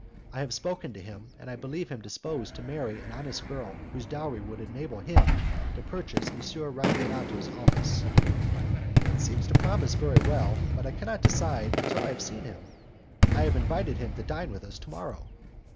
I have spoken to him, and I believe him disposed to marry an honest girl whose dowry would enable him to purchase M. Ragionato's office." "It seems to promise very well, but I cannot decide until I have seen him." "I have invited him to dine with us to morrow."